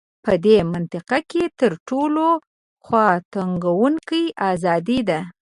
په دې منطق کې تر ټولو خواتنګوونکې ازادي ده.